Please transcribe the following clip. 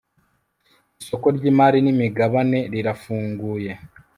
isoko ry imari n imigabane rirafunguye